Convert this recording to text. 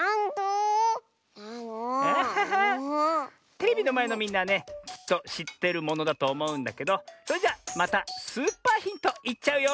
テレビのまえのみんなはねきっとしっているものだとおもうんだけどそれじゃまたスーパーヒントいっちゃうよ！